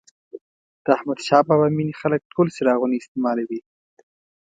د احمدشاه بابا مېنې خلک ټول څراغونه استعمالوي.